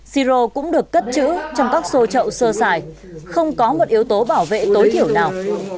si rô cũng được cất chữ trong các sô trậu sơ xài không có một yếu tố bảo vệ tối thiểu nào